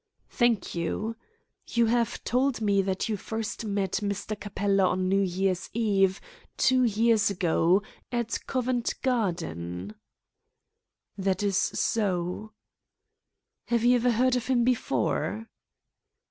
"Thank you. You have told me that you first met Mr. Capella on New Year's Eve two years ago, at Covent Garden?" "That is so." "Had you ever heard of him before?"